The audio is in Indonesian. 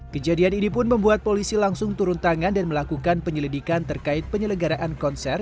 kejadian ini pun membuat polisi langsung turun tangan dan melakukan penyelidikan terkait penyelenggaraan konser